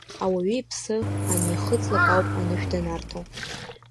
Ауаҩы иԥсы анихыҵлакауп анышәданарҭо…